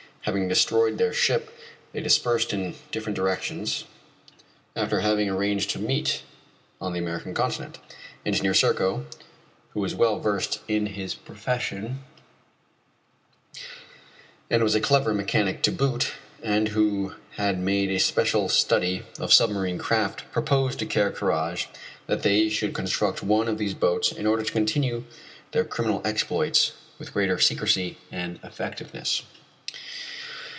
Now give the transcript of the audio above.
Having destroyed their ship they dispersed in different directions after having arranged to meet on the American continent. Engineer Serko, who was well versed in his profession, and was a clever mechanic to boot, and who had made a special study of submarine craft, proposed to Ker Karraje that they should construct one of these boats in order to continue their criminal exploits with greater secrecy and effectiveness.